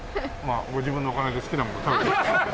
ご自分のお金で好きなもの食べて。